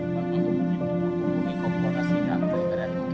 mahkamah kohormatan dewan